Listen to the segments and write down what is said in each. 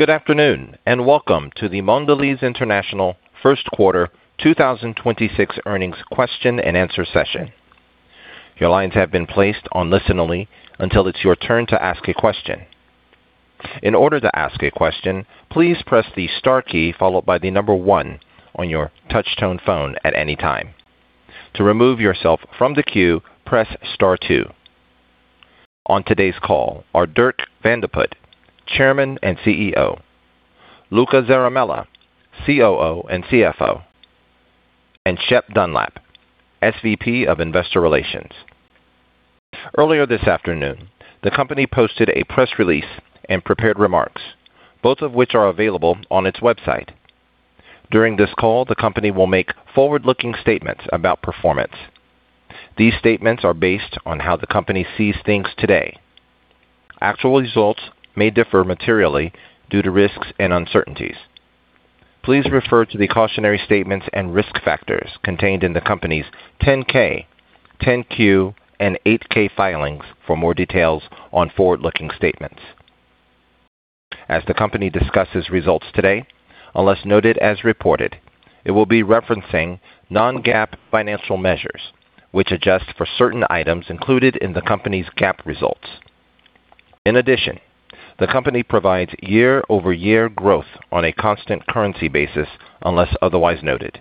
Good afternoon, and welcome to the Mondelēz International Q1 2026 earnings question-and-answer session. Your line have been placed on listen-only until its your turn to ask a question, please press the star key followed by the number one on your touchtone phone at any time .To remove yourself from the queue, press star two. On today's call are Dirk Van de Put, Chairman and CEO, Luca Zaramella, COO and CFO, and Shep Dunlap, SVP of Investor Relations. Earlier this afternoon, the company posted a press release and prepared remarks, both of which are available on its website. During this call, the company will make forward-looking statements about performance. These statements are based on how the company sees things today. Actual results may differ materially due to risks and uncertainties. Please refer to the cautionary statements and risk factors contained in the company's 10-K, 10-Q, and 8-K filings for more details on forward-looking statements. As the company discusses results today, unless noted as reported, it will be referencing non-GAAP financial measures, which adjust for certain items included in the company's GAAP results. The company provides year-over-year growth on a constant currency basis unless otherwise noted.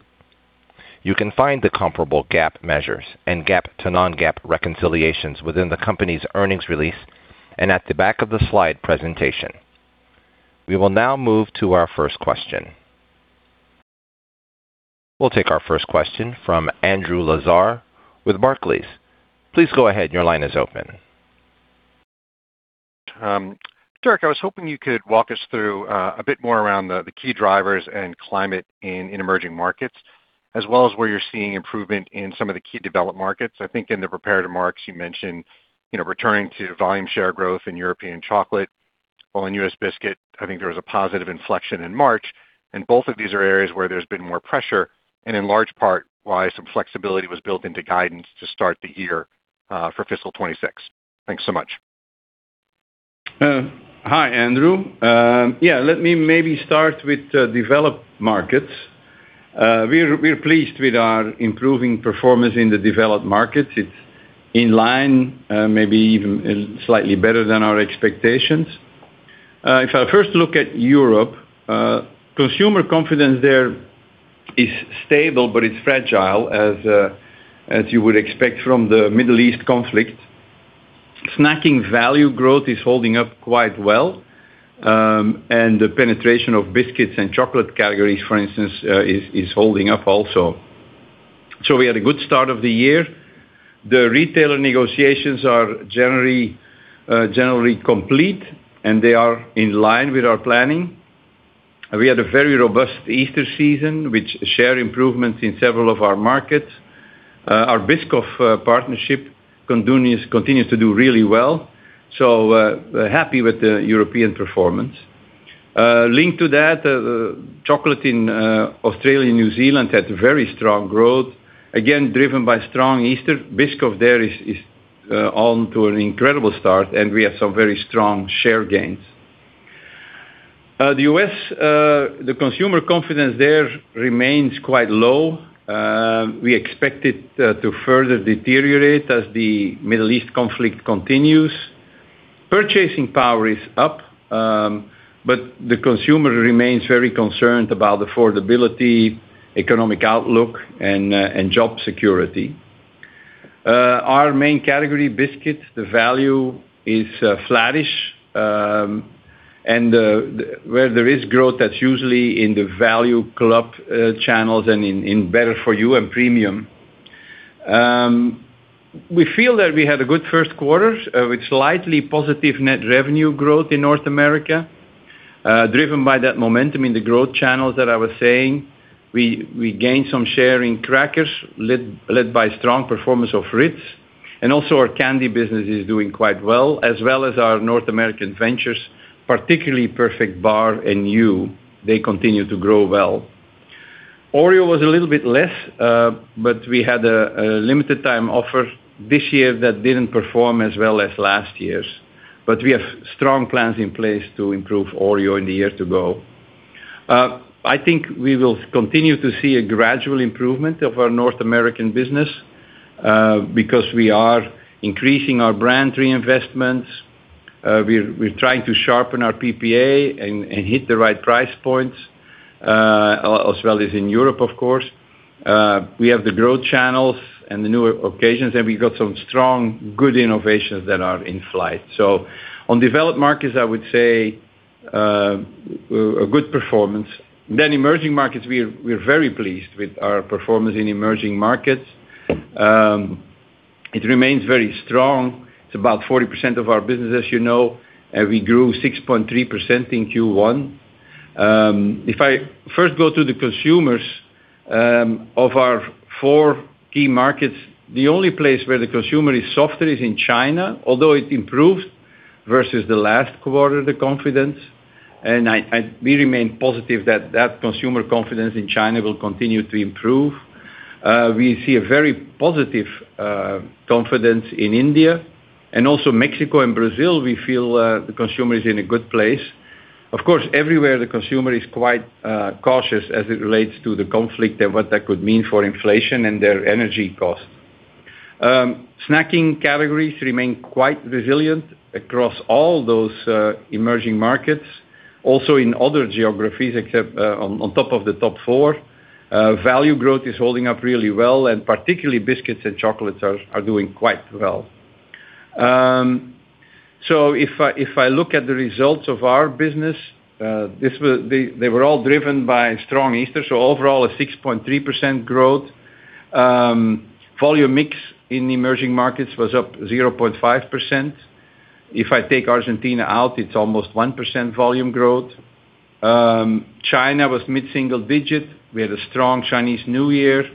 You can find the comparable GAAP measures and GAAP to non-GAAP reconciliations within the company's earnings release and at the back of the slide presentation. We will now move to our first question. We'll take our first question from Andrew Lazar with Barclays. Please go ahead. Your line is open. Dirk, I was hoping you could walk us through a bit more around the key drivers and climate in emerging markets, as well as where you're seeing improvement in some of the key developed markets. I think in the prepared remarks you mentioned returning to volume share growth in European chocolate. While in U.S. biscuit, I think there was a positive inflection in March, and both of these are areas where there's been more pressure and in large part why some flexibility was built into guidance to start the year for fiscal 2026. Thanks so much. Hi, Andrew. Let me maybe start with developed markets. We're pleased with our improving performance in the developed markets. It's in line, maybe even slightly better than our expectations. If I first look at Europe, consumer confidence there is stable, but it's fragile as you would expect from the Middle East conflict. Snacking value growth is holding up quite well, and the penetration of biscuits and chocolate categories, for instance, is holding up also. We had a good start of the year. The retailer negotiations are generally complete, and they are in line with our planning. We had a very robust Easter season, which share improvements in several of our markets. Our Biscoff partnership continues to do really well, so happy with the European performance. Linked to that, chocolate in Australia and New Zealand had very strong growth, again, driven by strong Easter. Biscoff there is on to an incredible start, and we have some very strong share gains. The U.S., the consumer confidence there remains quite low. We expect it to further deteriorate as the Middle East conflict continues. Purchasing power is up, the consumer remains very concerned about affordability, economic outlook and job security. Our main category biscuit, the value is flattish. Where there is growth, that's usually in the value club channels and in better for you and premium. We feel that we had a good Q1 with slightly positive net revenue growth in North America, driven by that momentum in the growth channels that I was saying. We gained some share in crackers, led by strong performance of Ritz. Also our candy business is doing quite well, as well as our North American ventures, particularly Perfect Bar and Hu. They continue to grow well. Oreo was a little bit less, we had a limited time offer this year that didn't perform as well as last year's. We have strong plans in place to improve Oreo in the year to go. I think we will continue to see a gradual improvement of our North American business because we are increasing our brand reinvestments. We're trying to sharpen our PPA and hit the right price points, as well as in Europe, of course. We have the growth channels and the newer occasions, we've got some strong, good innovations that are in flight. On developed markets, I would say, a good performance. Emerging markets, we're very pleased with our performance in emerging markets. It remains very strong. It's about 40% of our business, as you know, and we grew 6.3% in Q1. If I first go to the consumers, of our four key markets, the only place where the consumer is softer is in China, although it improved versus the last quarter, the confidence. We remain positive that consumer confidence in China will continue to improve. We see a very positive confidence in India and also Mexico and Brazil, we feel the consumer is in a good place. Of course, everywhere the consumer is quite cautious as it relates to the conflict and what that could mean for inflation and their energy costs. Snacking categories remain quite resilient across all those emerging markets. Also in other geographies, except on top of the top four, value growth is holding up really well, and particularly biscuits and chocolates are doing quite well. If I look at the results of our business, they were all driven by strong Easter, so overall a 6.3% growth. Volume mix in emerging markets was up 0.5%. If I take Argentina out, it's almost 1% volume growth. China was mid-single digit. We had a strong Chinese New Year.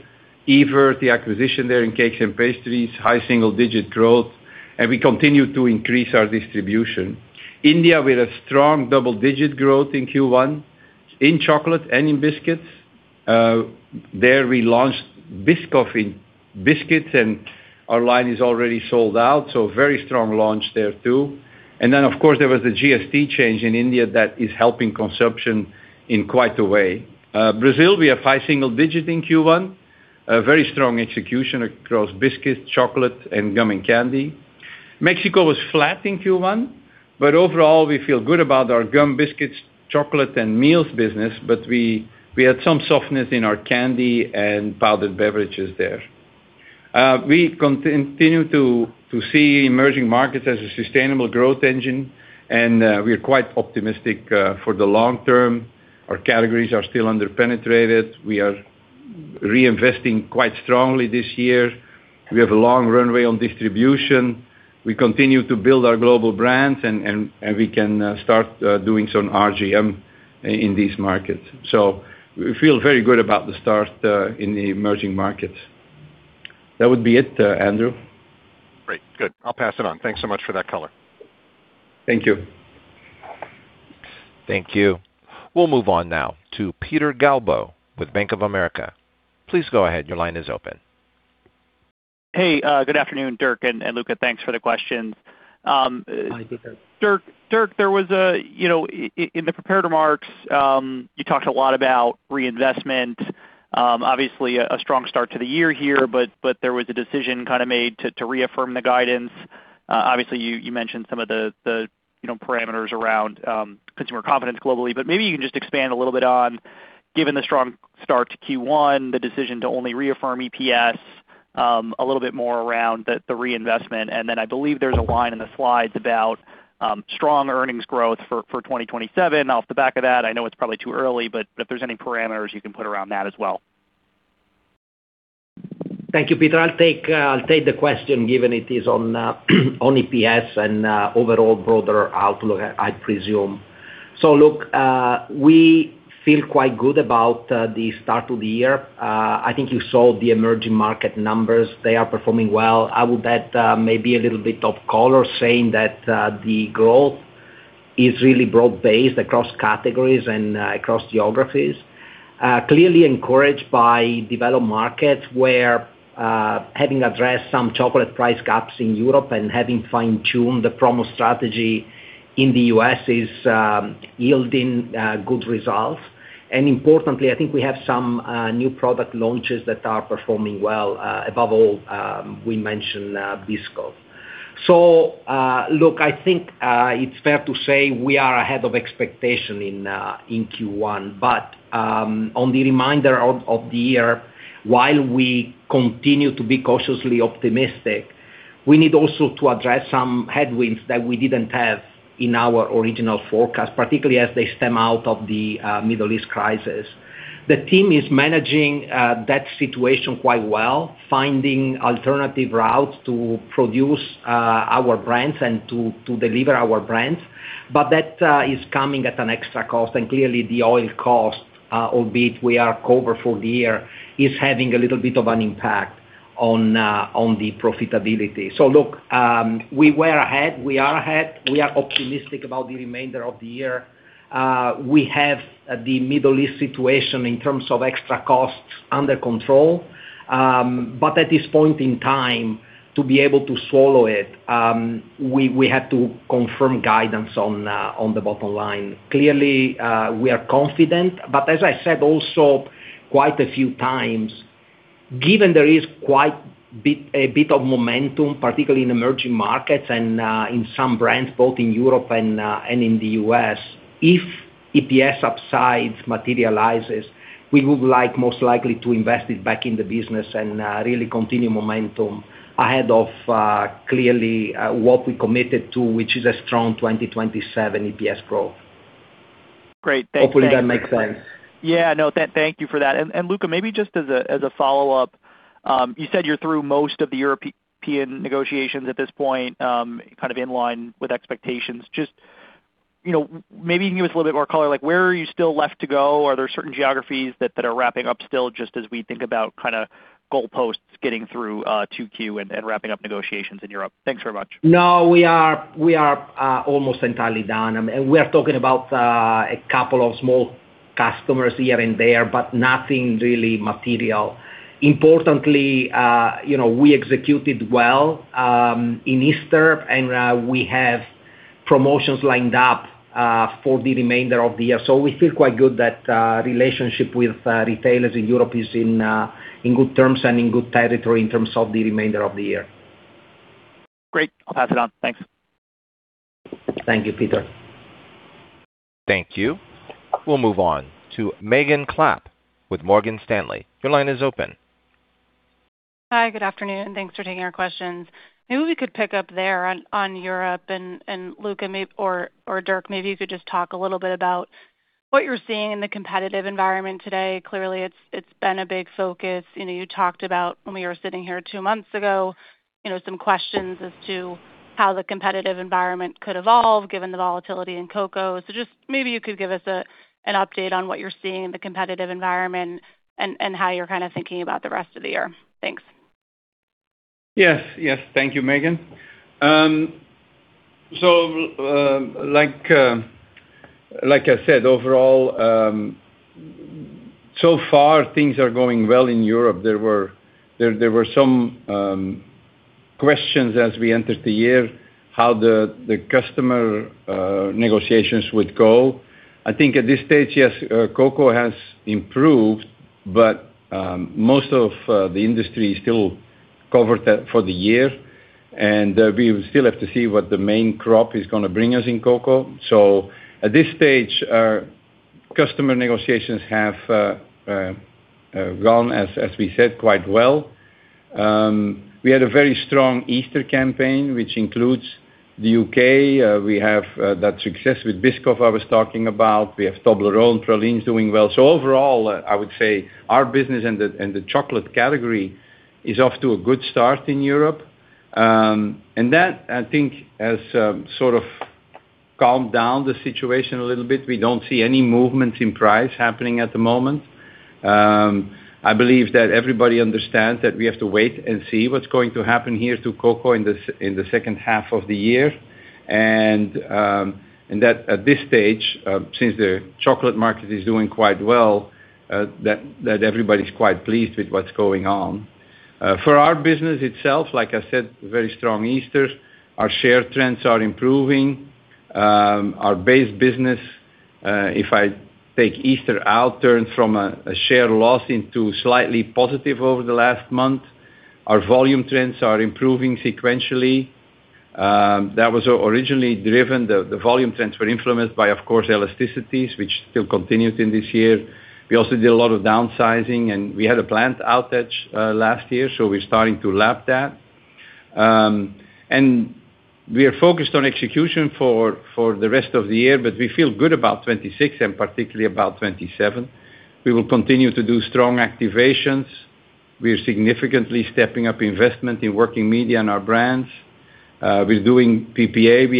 Evolth, the acquisition there in cakes and pastries, high single digit growth, and we continued to increase our distribution. India, we had a strong double-digit growth in Q1 in chocolate and in biscuits. There we launched Biscoff in biscuits, and our line is already sold out, so very strong launch there too. Then, of course, there was the GST change in India that is helping consumption in quite a way. Brazil, we are high single digit in Q1. A very strong execution across biscuits, chocolate, and gum and candy. Mexico was flat in Q1, but overall we feel good about our gum, biscuits, chocolate, and meals business, but we had some softness in our candy and powdered beverages there. We continue to see emerging markets as a sustainable growth engine, and we are quite optimistic for the long term. Our categories are still under-penetrated. We are reinvesting quite strongly this year. We have a long runway on distribution. We continue to build our global brands and we can start doing some RGM in these markets. We feel very good about the start in the emerging markets. That would be it, Andrew. Great. Good. I'll pass it on. Thanks so much for that color. Thank you. Thank you. We'll move on now to Peter Galbo with Bank of America. Please go ahead. Your line is open. Hey, good afternoon, Dirk and Luca. Thanks for the questions. Hi, Peter. Dirk in the prepared remarks, you talked a lot about reinvestment. Obviously a strong start to the year here, but there was a decision kinda made to reaffirm the guidance. Obviously you mentioned some of the parameters around consumer confidence globally, but maybe you can just expand a little bit on, given the strong start to Q1, the decision to only reaffirm EPS, a little bit more around the reinvestment. Then I believe there's a line in the slides about strong earnings growth for 2027. Off the back of that, I know it's probably too early, but if there's any parameters you can put around that as well. Thank you, Peter. I'll take the question given it is on EPS and overall broader outlook, I presume. Look, we feel quite good about the start of the year. I think you saw the emerging market numbers. They are performing well. I would add maybe a little bit of color saying that the growth is really broad-based across categories and across geographies. Clearly encouraged by developed markets where having addressed some chocolate price gaps in Europe and having fine-tuned the promo strategy in the U.S. is yielding good results. Importantly, I think we have some new product launches that are performing well. Above all, we mentioned Biscoff. Look, I think it's fair to say we are ahead of expectation in Q1, but on the remainder of the year, while we continue to be cautiously optimistic, we need also to address some headwinds that we didn't have in our original forecast, particularly as they stem out of the Middle East crisis. The team is managing that situation quite well, finding alternative routes to produce our brands and to deliver our brands, but that is coming at an extra cost. Clearly the oil cost, albeit we are covered for the year, is having a little bit of an impact on the profitability. Look, we were ahead. We are ahead. We are optimistic about the remainder of the year. We have the Middle East situation in terms of extra costs under control. At this point in time, to be able to swallow it, we had to confirm guidance on the bottom line. Clearly, we are confident, but as I said also quite a few times, given there is a bit of momentum, particularly in emerging markets and in some brands both in Europe and in the U.S., if EPS upside materializes, we would like most likely to invest it back in the business and really continue momentum ahead of clearly what we committed to, which is a strong 2027 EPS growth. Great. Thank you. Hopefully that makes sense. Yeah. No, thank you for that. Luca, maybe just as a, as a follow-up, you said you're through most of the European negotiations at this point, kind of in line with expectations. just maybe you can give us a little bit more color, like where are you still left to go? Are there certain geographies that are wrapping up still, just as we think about kinda goalposts getting through, 2Q and wrapping up negotiations in Europe? Thanks very much. We are almost entirely done. We are talking about a couple of small customers here and there, but nothing really material. importantly we executed well in Easter, we have promotions lined up for the remainder of the year. We feel quite good that relationship with retailers in Europe is in good terms and in good territory in terms of the remainder of the year. Great. I'll pass it on. Thanks. Thank you, Peter. Thank you. We'll move on to Megan Clapp with Morgan Stanley. Your line is open. Hi, good afternoon. Thanks for taking our questions. Maybe we could pick up there on Europe and Luca or Dirk, maybe you could just talk a little bit about what you're seeing in the competitive environment today. Clearly, it's been a big focus. You know, you talked about when we were sitting here two months ago some questions as to how the competitive environment could evolve given the volatility in cocoa. Just maybe you could give us an update on what you're seeing in the competitive environment and how you're kind of thinking about the rest of the year. Thanks. Yes. Yes. Thank you, Megan. Like I said, overall, so far things are going well in Europe. There were some questions as we entered the year, how the customer negotiations would go. I think at this stage, yes, cocoa has improved, but most of the industry is still covered for the year, and we still have to see what the main crop is gonna bring us in cocoa. At this stage, our customer negotiations have gone as we said, quite well. We had a very strong Easter campaign, which includes the U.K. We have that success with Biscoff I was talking about. We have Toblerone Pralines doing well. Overall, I would say our business in the chocolate category is off to a good start in Europe. That, I think, has sort of calmed down the situation a little bit. We don't see any movement in price happening at the moment. I believe that everybody understands that we have to wait and see what's going to happen here to cocoa in the H2 of the year. That at this stage, since the chocolate market is doing quite well, everybody's quite pleased with what's going on. For our business itself, like I said, very strong Easter. Our share trends are improving. Our base business, if I take Easter out, turned from a share loss into slightly positive over the last month. Our volume trends are improving sequentially. That was originally driven, the volume trends were influenced by, of course, elasticities, which still continues in this year. We also did a lot of downsizing, and we had a plant outage last year, so we're starting to lap that. We are focused on execution for the rest of the year, but we feel good about 26 and particularly about 27. We will continue to do strong activations. We are significantly stepping up investment in working media and our brands. We're doing PPA. We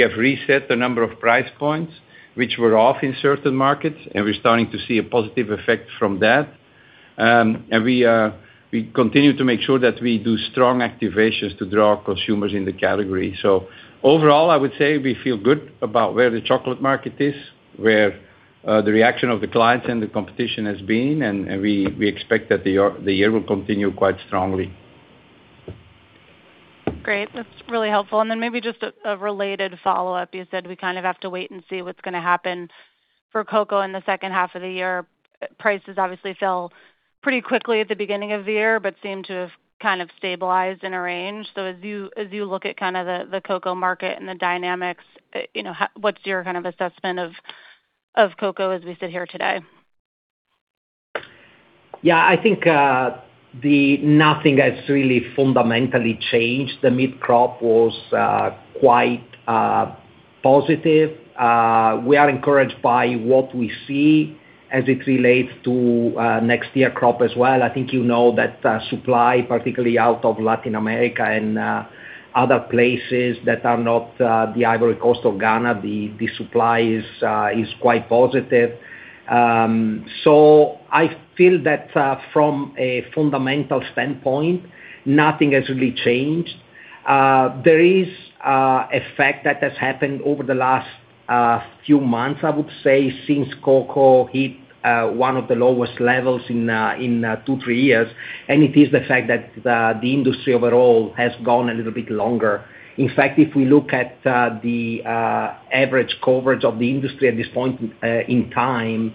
have reset a number of price points, which were off in certain markets, and we're starting to see a positive effect from that. We continue to make sure that we do strong activations to draw consumers in the category. Overall, I would say we feel good about where the chocolate market is, where the reaction of the clients and the competition has been, and we expect that the year will continue quite strongly. Great. That's really helpful. Maybe just a related follow-up. Hu said we kind of have to wait and see what's gonna happen for cocoa in the H2 of the year. Prices obviously fell pretty quickly at the beginning of the year, but seem to have kind of stabilized in a range. As you, as you look at kind of the cocoa market and the dynamics what's your kind of assessment of cocoa as we sit here today? Yeah. I think, nothing has really fundamentally changed. The mid-crop was quite positive. We are encouraged by what we see as it relates to next year crop as well. I think you know that supply, particularly out of Latin America and other places that are not the Ivory Coast or Ghana, the supply is quite positive. I feel that from a fundamental standpoint, nothing has really changed. There is a fact that has happened over the last few months, I would say, since cocoa hit one of the lowest levels in two, three years, and it is the fact that the industry overall has gone a little bit longer. In fact, if we look at the average coverage of the industry at this point in time,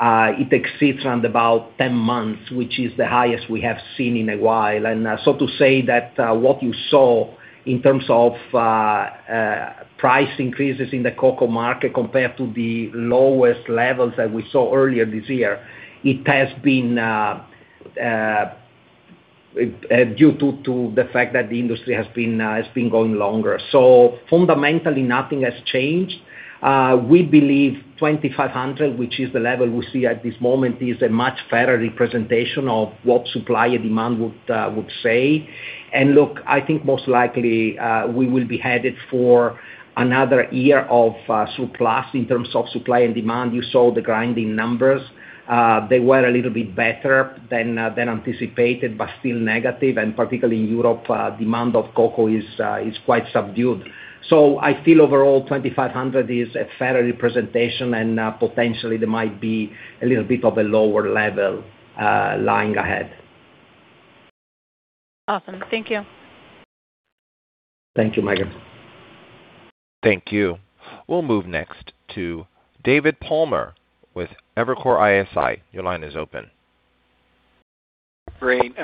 it exceeds around about 10 months, which is the highest we have seen in a while. So to say that what you saw in terms of price increases in the cocoa market compared to the lowest levels that we saw earlier this year, it has been due to the fact that the industry has been going longer. Fundamentally, nothing has changed. We believe 2,500, which is the level we see at this moment, is a much fairer representation of what supply and demand would say. Look, I think most likely, we will be headed for another year of surplus in terms of supply and demand. Hu saw the grinding numbers. They were a little bit better than anticipated, but still negative. Particularly in Europe, demand of cocoa is quite subdued. I feel overall $2,500 is a fair representation and potentially there might be a little bit of a lower level lying ahead. Awesome. Thank you. Thank you, Megan. Thank you. We'll move next to David Palmer with Evercore ISI. Your line is open. Great.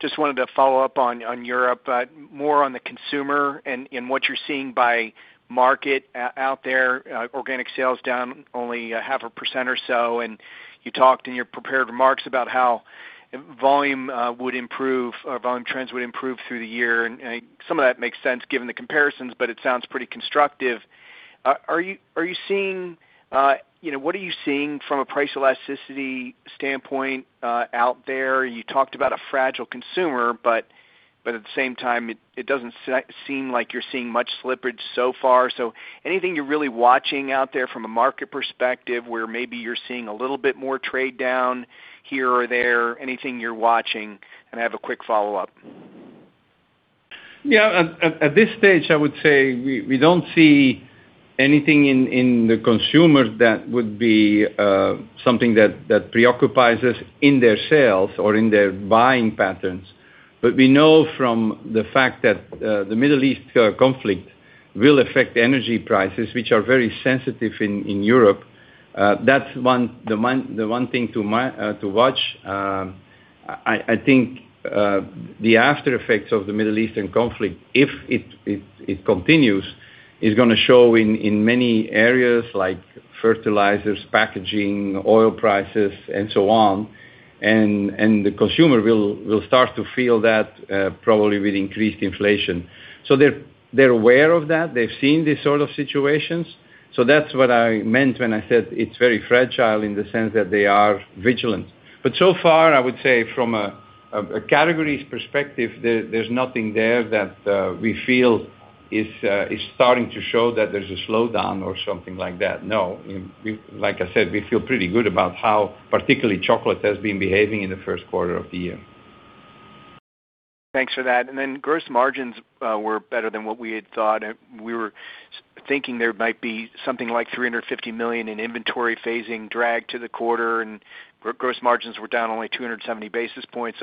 Just wanted to follow up on Europe, but more on the consumer and what you're seeing by market out there. Organic sales down only 0.5% or so, and you talked in your prepared remarks about how volume would improve or volume trends would improve through the year. Some of that makes sense given the comparisons, but it sounds pretty constructive. Are you seeing what are you seeing from a price elasticity standpoint out there? You talked about a fragile consumer, but at the same time, it doesn't seem like you're seeing much slippage so far. Anything you're really watching out there from a market perspective where maybe you're seeing a little bit more trade down here or there, anything you're watching? I have a quick follow-up. Yeah. At this stage, I would say we don't see anything in the consumer that would be something that preoccupies us in their sales or in their buying patterns. We know from the fact that the Middle East conflict will affect the energy prices, which are very sensitive in Europe, that's the one thing to watch. I think the after effects of the Middle Eastern conflict, if it continues, is gonna show in many areas like fertilizers, packaging, oil prices, and so on. The consumer will start to feel that probably with increased inflation. They're aware of that. They've seen these sort of situations. That's what I meant when I said it's very fragile in the sense that they are vigilant. So far, I would say from a categories perspective, there's nothing there that we feel is starting to show that there's a slowdown or something like that. No. Like I said, we feel pretty good about how particularly chocolate has been behaving in the Q1 of the year. Thanks for that. Gross margins were better than what we had thought. We were thinking there might be something like $350 million in inventory phasing drag to the quarter, and gross margins were down only 270 basis points.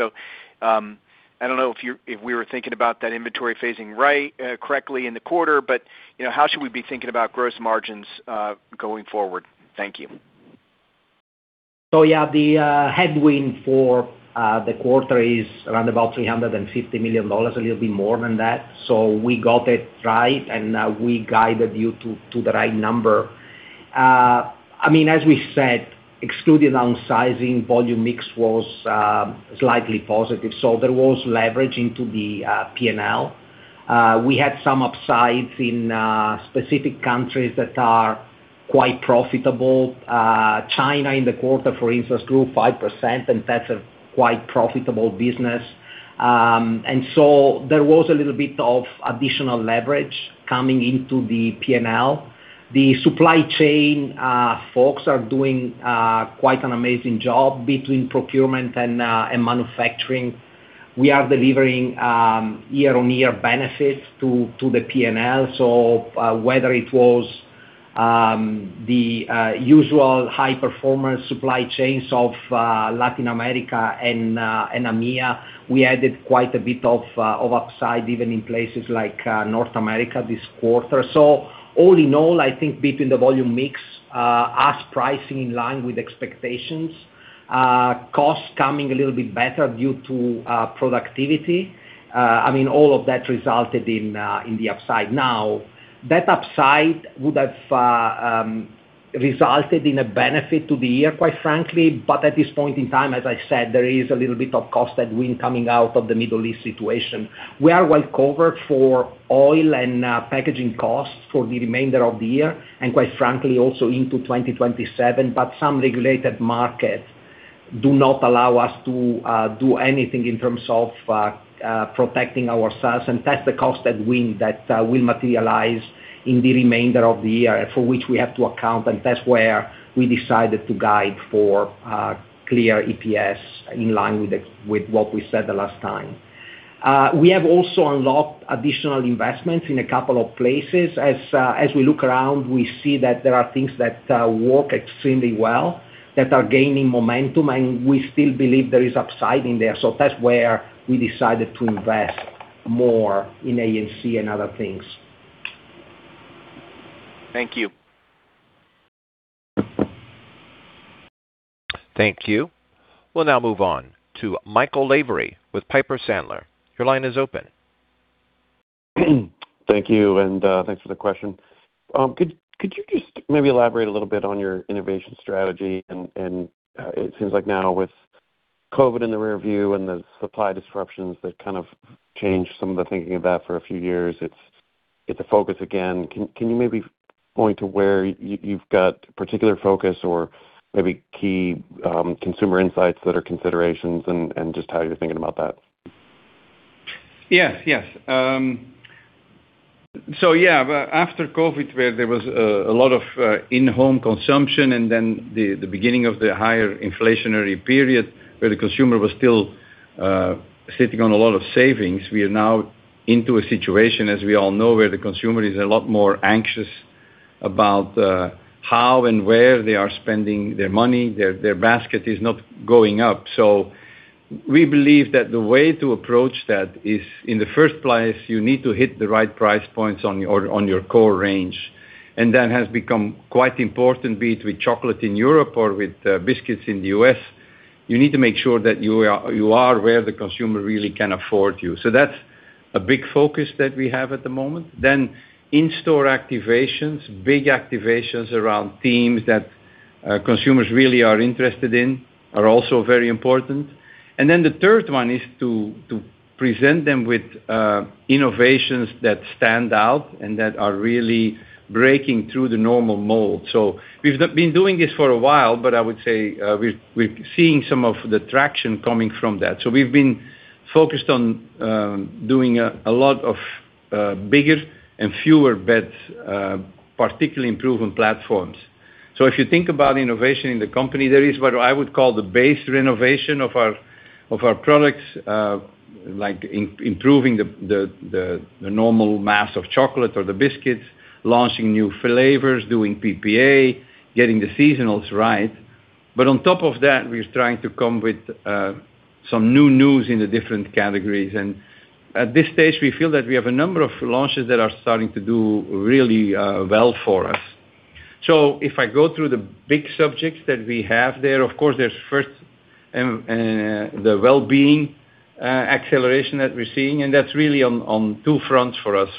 I don't know if we were thinking about that inventory phasing right, correctly in the quarter, but how should we be thinking about gross margins going forward? Thank you. The headwind for the quarter is around about $350 million, a little bit more than that. We got it right, and we guided you to the right number. As we said, excluding downsizing, volume mix was slightly positive, so there was leverage into the P&L. We had some upsides in specific countries that are quite profitable. China in the quarter, for instance, grew 5%, and that's a quite profitable business. There was a little bit of additional leverage coming into the P&L. The supply chain folks are doing quite an amazing job between procurement and manufacturing. We are delivering year-on-year benefits to the P&L. Whether it was the usual high-performance supply chains of Latin America and EMEA, we added quite a bit of upside, even in places like North America this quarter. All in all, I think between the volume mix, us pricing in line with expectations, costs coming a little bit better due to productivity, I mean, all of that resulted in the upside. That upside would have resulted in a benefit to the year, quite frankly, but at this point in time, as I said, there is a little bit of cost coming out of the Middle East situation. We are well covered for oil and packaging costs for the remainder of the year. Quite frankly, also into 2027, some regulated markets do not allow us to do anything in terms of protecting ourselves, and that's the cost that will materialize in the remainder of the year for which we have to account, and that's where we decided to guide for a clear EPS in line with what we said the last time. We have also unlocked additional investments in a couple of places. As we look around, we see that there are things that work extremely well, that are gaining momentum, and we still believe there is upside in there. That's where we decided to invest more in A&C and other things. Thank you. Thank you. We'll now move on to Michael Lavery with Piper Sandler. Your line is open. Thank you, and thanks for the question. Could you just maybe elaborate a little bit on your innovation strategy? It seems like now with COVID in the rearview and the supply disruptions that kind of changed some of the thinking of that for a few years, it's a focus again. Can you maybe point to where you've got particular focus or maybe key consumer insights that are considerations and just how you're thinking about that? Yes, yes. Yeah, after COVID, where there was a lot of in-home consumption and then the beginning of the higher inflationary period where the consumer was still. Sitting on a lot of savings, we are now into a situation, as we all know, where the consumer is a lot more anxious about how and where they are spending their money. Their basket is not going up. We believe that the way to approach that is, in the first place, you need to hit the right price points on your core range. That has become quite important, be it with chocolate in Europe or with biscuits in the U.S. You need to make sure that you are where the consumer really can afford you. That's a big focus that we have at the moment. In-store activations, big activations around themes that consumers really are interested in are also very important. The third one is to present them with innovations that stand out and that are really breaking through the normal mold. We've not been doing this for a while, but I would say we're seeing some of the traction coming from that. We've been focused on doing a lot of bigger and fewer bets, particularly improvement platforms. If you think about innovation in the company, there is what I would call the base renovation of our products, like improving the normal mass of chocolate or the biscuits, launching new flavors, doing PPA, getting the seasonals right. On top of that, we're trying to come with some new news in the different categories. At this stage, we feel that we have a number of launches that are starting to do really well for us. If I go through the big subjects that we have there, of course, there's first the well-being acceleration that we're seeing, and that's really on two fronts for us.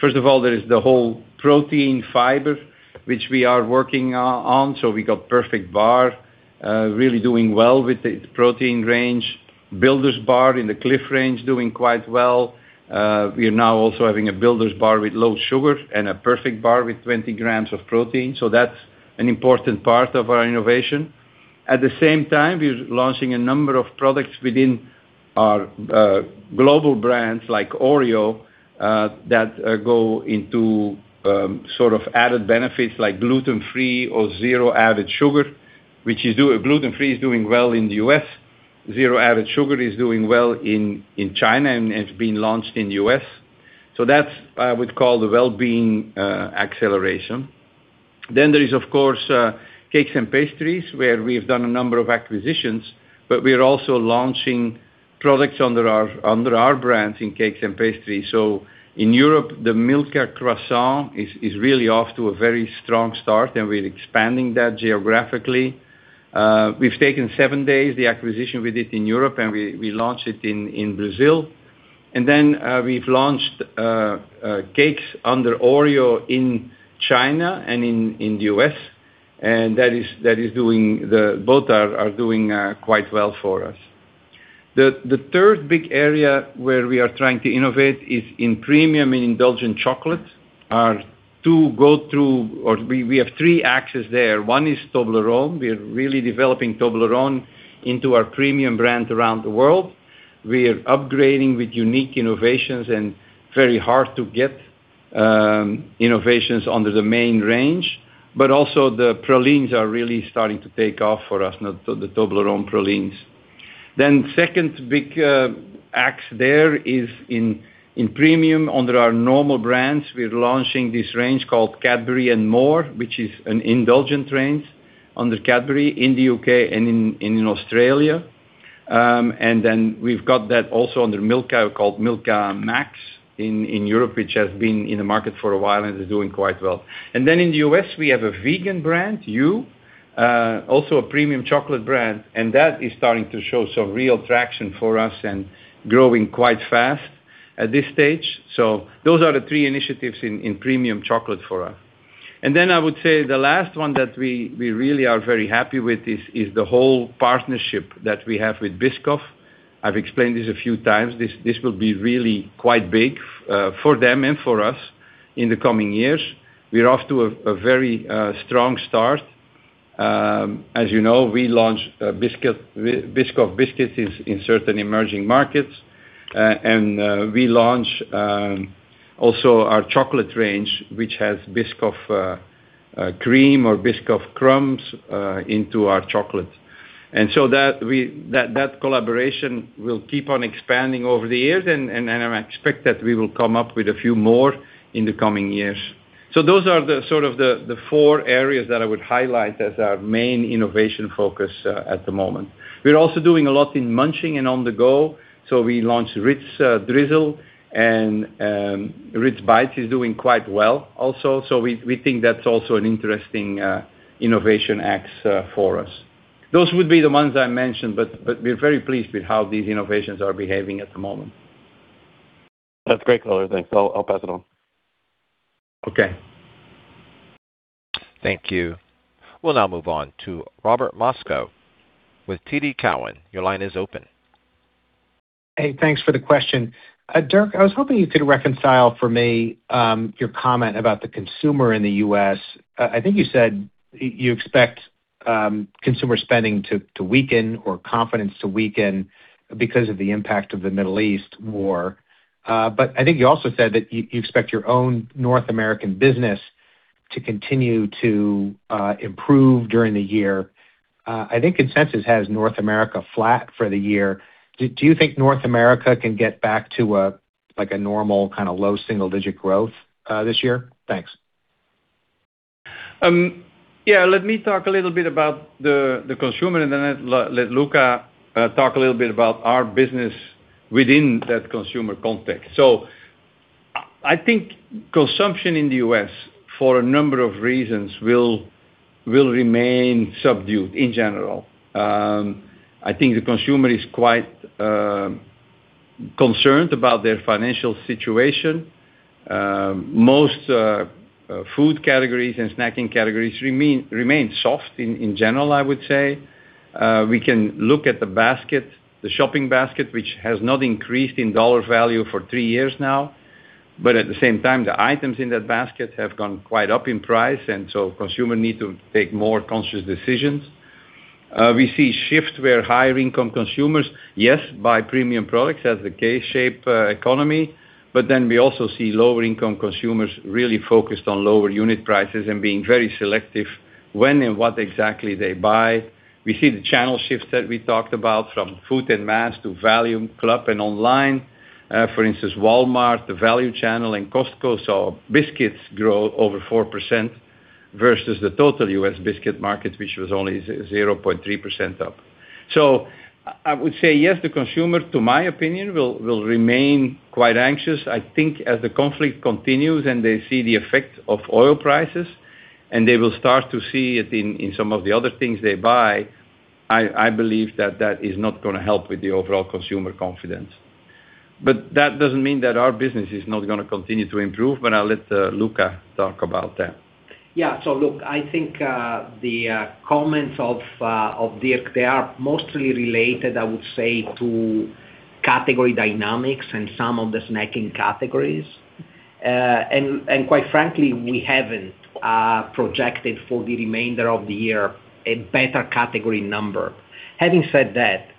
First of all, there is the whole protein fiber, which we are working on. We got Perfect Bar really doing well with its protein range. Builder's bar in the Clif range doing quite well. We are now also having a Builder's bar with low sugar and a Perfect Bar with 20 grams of protein. That's an important part of our innovation. At the same time, we're launching a number of products within our global brands like Oreo that go into sort of added benefits like gluten-free or zero added sugar, which is Gluten free is doing well in the U.S. Zero added sugar is doing well in China and it's being launched in the U.S. That's we'd call the well-being acceleration. There is, of course, cakes and pastries, where we've done a number of acquisitions, but we are also launching products under our brands in cakes and pastries. In Europe, the Milka croissant is really off to a very strong start, and we're expanding that geographically. We've taken seven Days, the acquisition we did in Europe, and we launched it in Brazil. We've launched cakes under Oreo in China and in the U.S., and both are doing quite well for us. The third big area where we are trying to innovate is in premium and indulgent chocolate. We have three axes there. One is Toblerone. We are really developing Toblerone into our premium brand around the world. We are upgrading with unique innovations and very hard to get innovations under the main range. Also the pralines are really starting to take off for us now, the Toblerone Pralines. Second big axe there is in premium under our normal brands. We're launching this range called Cadbury and More, which is an indulgent range under Cadbury in the U.K. and in Australia. We've got that also under Milka, called Milka Max in Europe, which has been in the market for a while and is doing quite well. In the U.S., we have a vegan brand, Hu, also a premium chocolate brand, and that is starting to show some real traction for us and growing quite fast at this stage. Those are the three initiatives in premium chocolate for us. I would say the last one that we really are very happy with is the whole partnership that we have with Biscoff. I've explained this a few times. This will be really quite big for them and for us in the coming years. We're off to a very strong start. As you know, we launched Biscoff biscuits in certain emerging markets. We launched also our chocolate range, which has Biscoff cream or Biscoff crumbs into our chocolate. That collaboration will keep on expanding over the years. I expect that we will come up with a few more in the coming years. Those are the four areas that I would highlight as our main innovation focus at the moment. We're also doing a lot in munching and on the go. We launched Ritz Drizzle and Ritz Bites is doing quite well also. We think that's also an interesting innovation axe for us. Those would be the ones I mentioned, but we're very pleased with how these innovations are behaving at the moment. That's great, I will go. Thanks. I'll pass it on. Okay. Thank you. We'll now move on to Robert Moskow with TD Cowen. Your line is open. Hey, thanks for the question. Dirk, I was hoping you could reconcile for me your comment about the consumer in the U.S. I think you said you expect consumer spending to weaken or confidence to weaken because of the impact of the Middle East war. I think you also said that you expect your own North American business to continue to improve during the year. I think consensus has North America flat for the year. Do you think North America can get back to a, like, a normal kinda low single-digit growth this year? Thanks. Yeah, let me talk a little bit about the consumer, and then let Luca talk a little bit about our business within that consumer context. I think consumption in the U.S., for a number of reasons, will remain subdued in general. I think the consumer is quite concerned about their financial situation. Most food categories and snacking categories remain soft in general, I would say. We can look at the basket, the shopping basket, which has not increased in dollar value for three years now. At the same time, the items in that basket have gone quite up in price, consumer need to take more conscious decisions. We see shifts where higher income consumers, yes, buy premium products as the K-shape economy, we also see lower income consumers really focused on lower unit prices and being very selective when and what exactly they buy. We see the channel shifts that we talked about from food and mass to value, club, and online. For instance, Walmart, the value channel, and Costco, saw biscuits grow over 4% versus the total U.S. biscuit market, which was only 0.3% up. I would say yes, the consumer, to my opinion, will remain quite anxious. I think as the conflict continues and they see the effect of oil prices, and they will start to see it in some of the other things they buy, I believe that that is not gonna help with the overall consumer confidence. That doesn't mean that our business is not gonna continue to improve, but I'll let Luca talk about that. Yeah. Look, I think, the comments of Dirk Van de Put, they are mostly related, I would say, to category dynamics and some of the snacking categories. And quite frankly, we haven't projected for the remainder of the year a better category number. Having said that,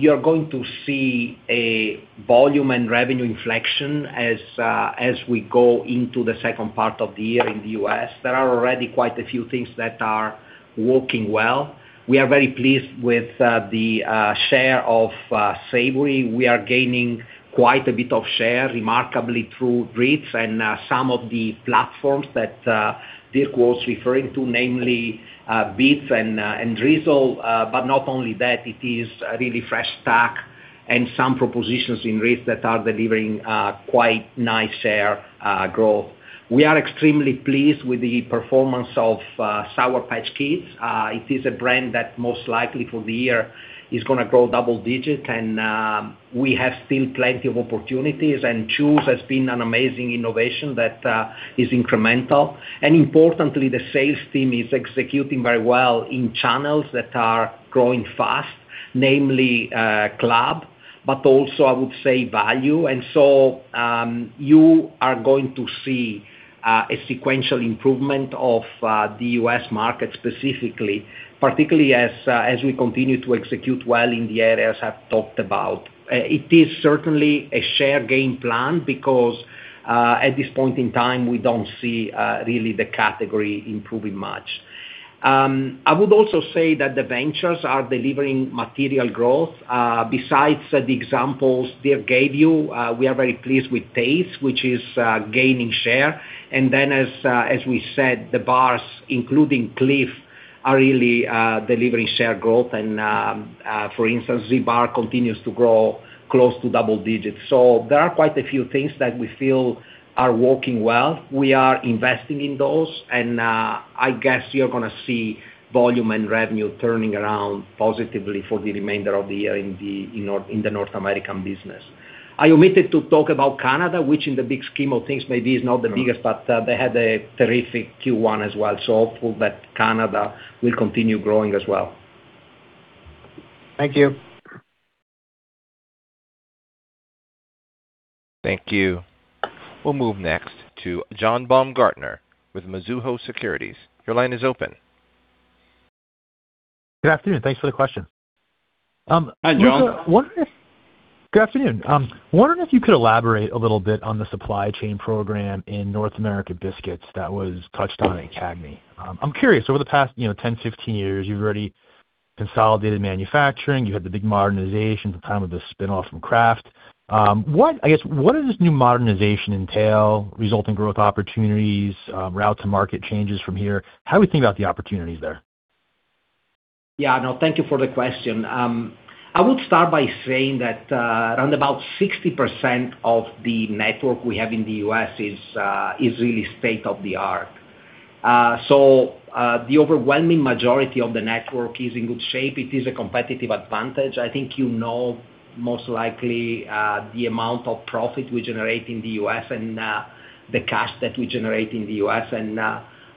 you're going to see a volume and revenue inflection as we go into the second part of the year in the U.S. There are already quite a few things that are working well. We are very pleased with the share of savory. We are gaining quite a bit of share, remarkably through Ritz and some of the platforms that Dirk Van de Put was referring to, namely, Ritz Bits and Ritz Drizzled Minis. Not only that, it is a really fresh stack and some propositions in Ritz that are delivering quite nice share growth. We are extremely pleased with the performance of Sour Patch Kids. It is a brand that most likely for the year is gonna grow double-digit, and we have still plenty of opportunities, and Chews has been an amazing innovation that is incremental. Importantly, the sales team is executing very well in channels that are growing fast, namely, club, but also I would say value. You are going to see a sequential improvement of the U.S. market specifically, particularly as we continue to execute well in the areas I've talked about. It is certainly a share gain plan because, at this point in time, we don't see really the category improving much. I would also say that the ventures are delivering material growth. Besides the examples Dirk gave you, we are very pleased with Tate's, which is gaining share. As we said, the bars, including Clif, are really delivering share growth and, for instance, Clif Kid Zbar continues to grow close to double digits. There are quite a few things that we feel are working well. We are investing in those, and I guess you're gonna see volume and revenue turning around positively for the remainder of the year in the North American business. I omitted to talk about Canada, which in the big scheme of things maybe is not the biggest, but they had a terrific Q1 as well. Hopeful that Canada will continue growing as well. Thank you. Thank you. We'll move next to John Baumgartner with Mizuho Securities. Your line is open. Good afternoon. Thanks for the question. Hi, John. Luca, Good afternoon. Wondering if you could elaborate a little bit on the supply chain program in North America biscuits that was touched on at CAGNY. I'm curious, over the past 10, 15 years, you've already consolidated manufacturing. Hu had the big modernization at the time of the spin-off from Kraft. I guess, what does this new modernization entail, resulting growth opportunities, route to market changes from here? How do we think about the opportunities there? Yeah, no, thank you for the question. I would start by saying that around about 60% of the network we have in the U.S. is really state-of-the-art. The overwhelming majority of the network is in good shape. It is a competitive advantage. I think you know most likely the amount of profit we generate in the U.S. and the cash that we generate in the U.S.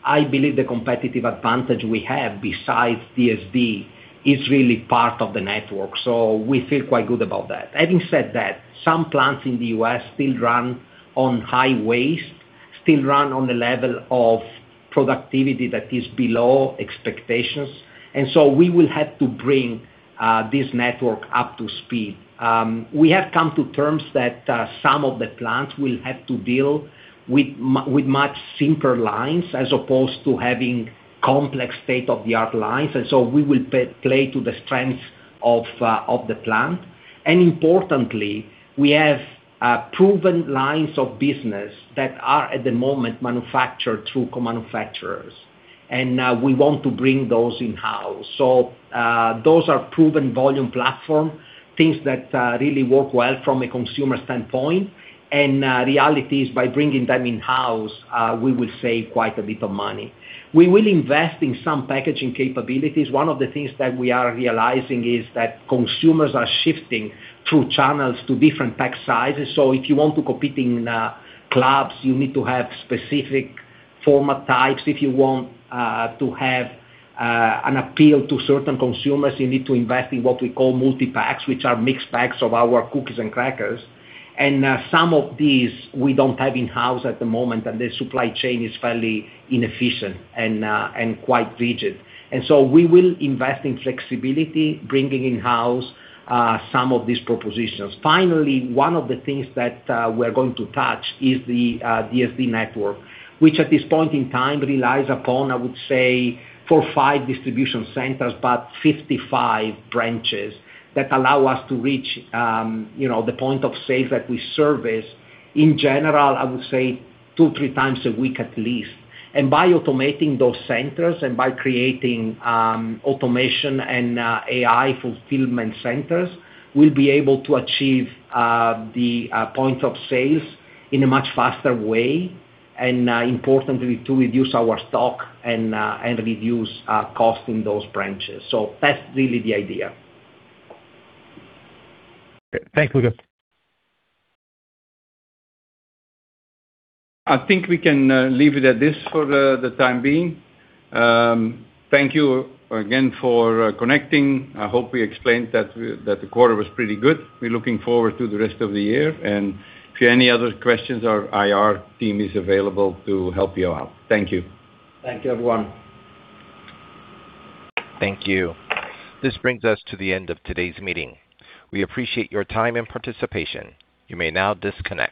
I believe the competitive advantage we have besides DSD is really part of the network, so we feel quite good about that. Having said that, some plants in the U.S. still run on high waste, still run on the level of productivity that is below expectations. We will have to bring this network up to speed. We have come to terms that some of the plants will have to deal with much simpler lines as opposed to having complex state-of-the-art lines. We will play to the strengths of the plant. Importantly, we have proven lines of business that are at the moment manufactured through co-manufacturers, and we want to bring those in-house. Those are proven volume platform, things that really work well from a consumer standpoint. Reality is by bringing them in-house, we will save quite a bit of money. We will invest in some packaging capabilities. One of the things that we are realizing is that consumers are shifting through channels to different pack sizes. If you want to compete in clubs, you need to have specific format types. If you want to have an appeal to certain consumers, you need to invest in what we call multi-packs, which are mixed packs of our cookies and crackers. Some of these we don't have in-house at the moment, and the supply chain is fairly inefficient and quite rigid. We will invest in flexibility, bringing in-house some of these propositions. Finally, one of the things that we're going to touch is the DSD network, which at this point in time relies upon, I would say, four or five distribution centers, but 55 branches that allow us to reach the point of sale that we service. In general, I would say two, three times a week at least. By automating those centers and by creating, automation and AI fulfillment centers, we'll be able to achieve, the point of sales in a much faster way, and, importantly, to reduce our stock and reduce our cost in those branches. That's really the idea. Thanks, Luca. I think we can leave it at this for the time being. Thank you again for connecting. I hope we explained that the quarter was pretty good. We're looking forward to the rest of the year, and if you have any other questions, our IR team is available to help you out. Thank you. Thank you, everyone. Thank you. This brings us to the end of today's meeting. We appreciate your time and participation. You may now disconnect.